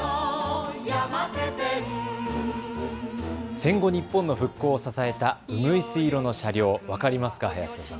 戦後日本の復興を支えたうぐいす色の車両、分かりますか林田さん。